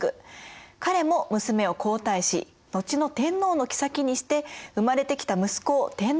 彼も娘を皇太子後の天皇の后にして生まれてきた息子を天皇にしてるよね。